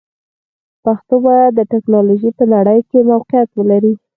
پښتو باید د ټکنالوژۍ په نړۍ کې موقعیت ولري.